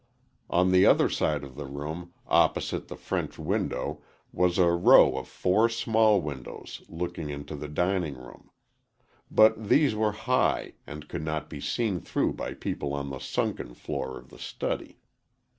On the other side of the room, opposite the French window was a row of four small windows looking into the dining room. But these were high, and could not be seen through by people on the sunken floor of the study.